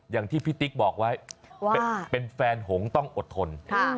อย่างที่พี่ติ๊กบอกไว้ว่าเป็นแฟนหงต้องอดทน